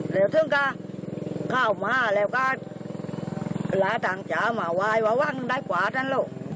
แล้วถึงก็เข้ามาแล้วก็ทั้งจมาวายว่าว่าได้ภาสนั่นโลก